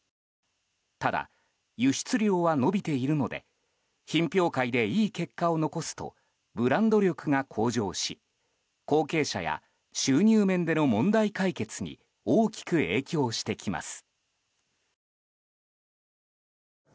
ただ、輸出量は伸びているので品評会でいい結果を残すとブランド力が向上し後継者や収入面での問題解決に大きく影響してきます。